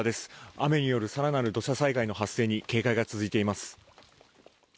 雨による更なる土砂災害の発生に警戒が続いています。